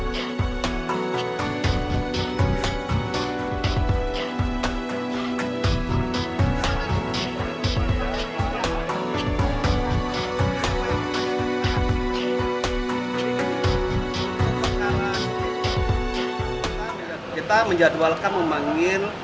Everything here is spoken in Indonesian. kita menjadwalkan membangun